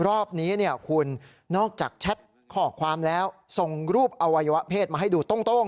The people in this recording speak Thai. รอบนี้เนี่ยคุณนอกจากแชทข้อความแล้วส่งรูปอวัยวะเพศมาให้ดูโต้ง